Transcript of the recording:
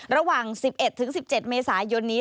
ระหว่าง๑๑๑๑๗เมษายนนี้